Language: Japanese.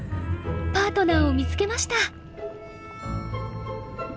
パートナーを見つけました。